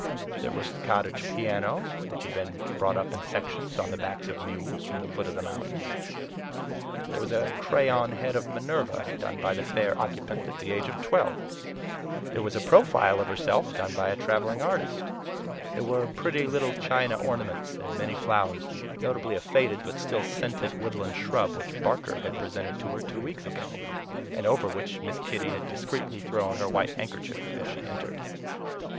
There was the cottage piano which had been brought up in sections on the backs of mules from the foot of the mountain; there was a crayon head of Minerva done by the fair occupant at the age of twelve; there was a profile of herself done by a traveling artist; there were pretty little china ornaments and many flowers, notably a faded but still scented woodland shrub which Barker had presented to her two weeks ago, and over which Miss Kitty had discreetly thrown her white handkerchief as he entered.